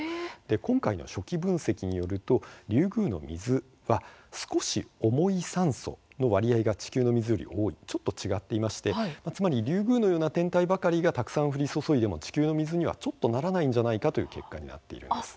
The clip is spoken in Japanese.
今回の初期分析によるとリュウグウの水は少し重い酸素の割合が地球の水より多いちょっと違っていましてつまりリュウグウのような天体ばかりがたくさん降り注いでも地球の水には、ちょっとならないんじゃないかという結果になっているんです。